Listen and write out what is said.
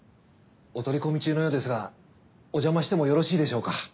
お取り込み中のようですがおじゃましてもよろしいでしょうか？